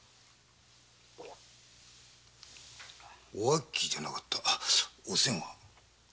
おあきじゃなかったおせんは？